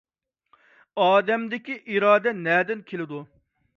ئادەمدىكى ئىرادە نەدىن كېلىدۇ؟